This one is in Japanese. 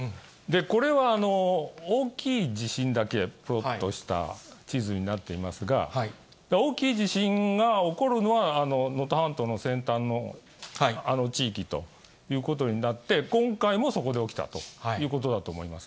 これは大きい地震だけプロットした地図になっていますが、大きい地震が起こるのは、能登半島の先端のあの地域ということになって、今回もそこで起きたということだと思います。